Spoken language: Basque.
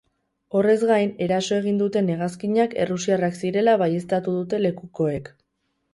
Horrez gain, eraso egin duten hegazkinak errusiarrak zirela baieztatu dute lekukoek.